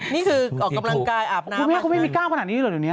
นี่คือกำลังกายอาบน้ำมักนึงครูแม่เขาไม่มีก้ามขนาดนี้เหรอโดยเนี้ย